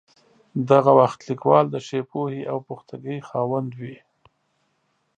دغه وخت لیکوال د ښې پوهې او پختګۍ خاوند وي.